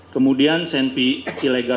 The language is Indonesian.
kemudian senpi ilegal